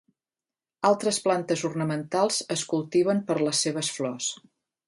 Altres plantes ornamentals es cultiven per les seves flors.